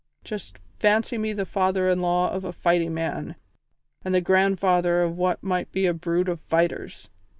Just fancy me the father in law of a fighting man, and the grandfather of what might be a brood of fighters!